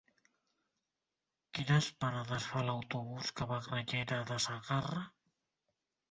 Quines parades fa l'autobús que va a Granyena de Segarra?